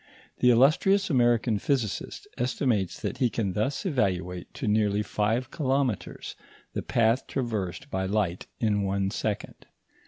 The illustrious American physicist estimates that he can thus evaluate to nearly five kilometres the path traversed by light in one second.